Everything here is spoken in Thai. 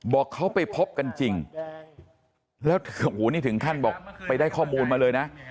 บอกเขาไปพบกันจริงแล้วนี่ถึงขั้นบอกไปได้ข้อมูลมาเลยนะ